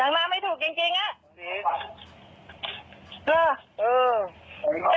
หน้ามันไม่ถูกจริงน่ะ